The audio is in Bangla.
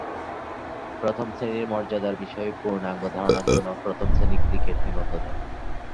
প্রথম-শ্রেণীর মর্যাদার বিষয়ে পূর্ণাঙ্গ ধারনার জন্য প্রথম-শ্রেণীর ক্রিকেট নিবন্ধ দেখুন।